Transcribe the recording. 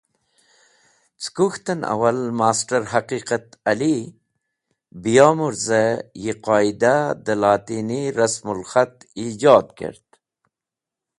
Ce kuk̃hten awal Master Haqiqat Ali Biyomurze yi Qoidah de Latini Rasmul Khat Eijod kert.